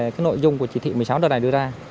cái nội dung của chỉ thị một mươi sáu đợt này đưa ra